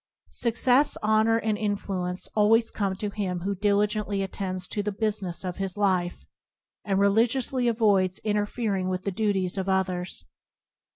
Success, honour, and influence always come to him who diligently attends to the business of his life, and religiously avoids interfering with the duties of others.